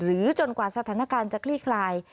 จนกว่าสถานการณ์จะคลี่คลาย